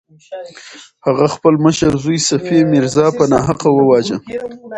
هغه خپل مشر زوی صفي میرزا په ناحقه وواژه.